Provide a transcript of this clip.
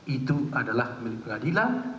itu adalah milik pengadilan